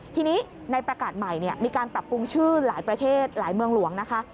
ทีนี้ในประกาศใหม่มีการปรับปรุงชื่อหลายประเทศหลายเมืองหลวงนะคะ